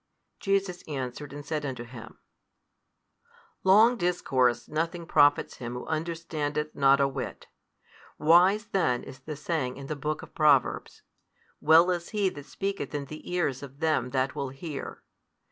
Jesus answered and said unto him, Long discourse nothing profits him who understandeth not a whit. Wise then is the saying in the book of Proverbs, Well is he that speaketh in the ears of them that will hear.